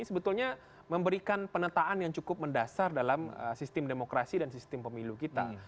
sebetulnya memberikan penetaan yang cukup mendasar dalam sistem demokrasi dan sistem pemilu kita